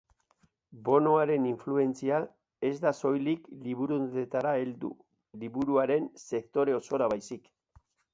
Bonoaren influentzia ez da soilik liburudendetara heldu, liburuaren sektore osora baizik.